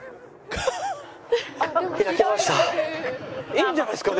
いいんじゃないですか？